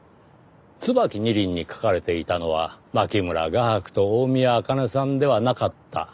『椿二輪』に描かれていたのは牧村画伯と大宮アカネさんではなかったという事です。